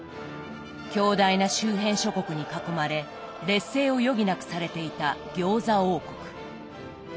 強大な周辺諸国に囲まれ劣勢を余儀なくされていた餃子王国。